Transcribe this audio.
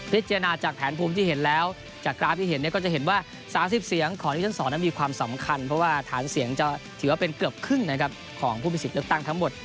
จานจากแผนภูมิที่เห็นแล้วจากกราฟที่เห็นเนี่ยก็จะเห็นว่า๓๐เสียงของดิวิชั่น๒นั้นมีความสำคัญเพราะว่าฐานเสียงจะถือว่าเป็นเกือบครึ่งนะครับของผู้มีสิทธิ์เลือกตั้งทั้งหมด